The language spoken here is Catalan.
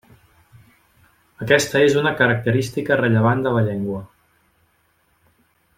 Aquesta és una característica rellevant de la llengua.